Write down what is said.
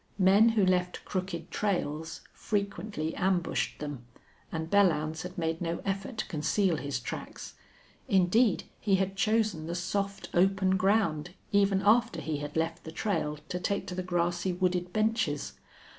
Men who left crooked trails frequently ambushed them, and Belllounds had made no effort to conceal his tracks. Indeed, he had chosen the soft, open ground, even after he had left the trail to take to the grassy, wooded benches.